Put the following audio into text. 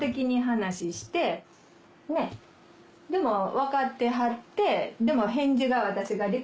分かってはってでも。